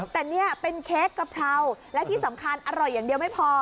แต่นี่เป็นเค้กกะเพราและที่สำคัญอร่อยอย่างเดียวไม่พอ